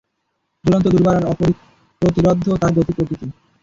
দুরন্ত, দুর্বার আর অপ্রতিরোধ্য তার গতি-প্রকৃতি।